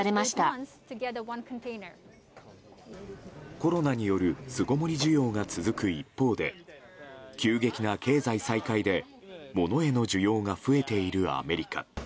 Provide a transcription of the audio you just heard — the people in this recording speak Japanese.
コロナによる巣ごもり需要が続く一方で急激な経済再開で物への需要が増えているアメリカ。